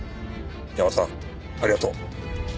ヤマさんありがとう。